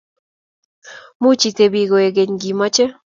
Much itebi koegeny ngimache